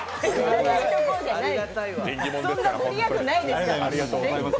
そんな御利益ないですから。